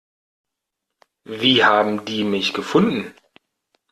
Wie haben die mich gefunden?